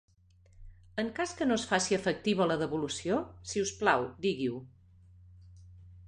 En cas que no es faci efectiva la devolució, si us plau digui-ho.